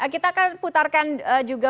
kita akan putarkan juga